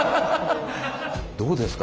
どうですか？